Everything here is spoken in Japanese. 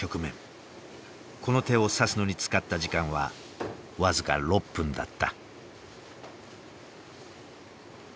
この手を指すのに使った時間は僅か６分だった。